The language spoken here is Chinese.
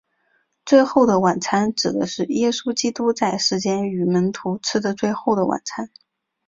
最后的晚餐指的是耶稣基督在世间与门徒吃的最后的晚餐。